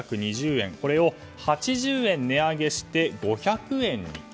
これを８０円値上げして５００円に。